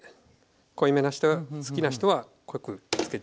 濃いめが好きな人は濃くつけて。